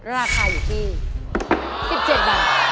ราคาอยู่ที่๑๗บาท